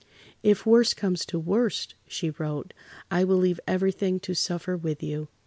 "If worse comes to worst," she wrote, "I will leave everything to suffer with you."